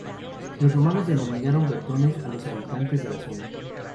Los romanos denominaron vetones a los habitantes de la zona.